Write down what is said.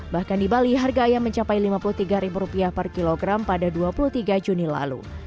bahkan di bali harga ayam mencapai rp lima puluh tiga per kilogram pada dua puluh tiga juni lalu